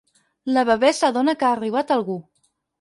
La Bebè s'adona que ha arribat algú.